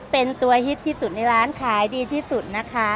เป็นตัวฮิตที่สุดในร้านขายดีที่สุดนะคะ